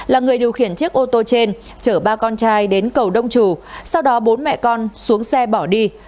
là người điều khiển chiếc ô tô trên chở ba con trai đến cầu đông trù sau đó bốn mẹ con xuống xe bỏ đi